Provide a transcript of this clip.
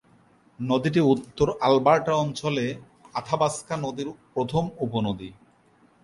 নদীটি উত্তর আলবার্টা অঞ্চলে আথাবাস্কা নদীর প্রথম উপনদী।